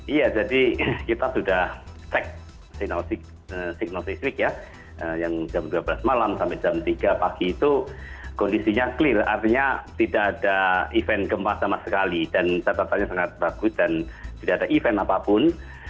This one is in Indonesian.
iya jadi kita sudah cek signosisfik ya yang jam dua belas malam sampai jam tiga pagi itu kondisinya clear artinya tidak ada event gempa sama sekali dan catatannya sangat bagus dan tidak ada event apapun